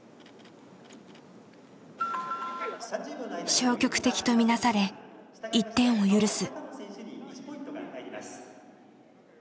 消極的と見なされ１点を許す。